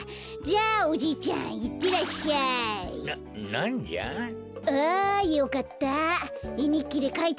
あよかった。